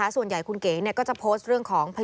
ส่วนใหญ่คุณเก๋ก็จะโพสต์เรื่องของ